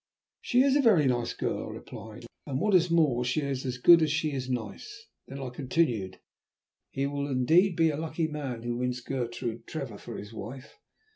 "She is a very nice girl," I replied, "and what is more, she is as good as she is nice." Then I continued, "He will be indeed a lucky man who wins Gertrude Trevor for his wife.